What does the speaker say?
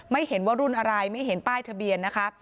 ไม่เห็นว่ารุ่นอะไรไม่เห็นป้ายทะเบียนนะคะ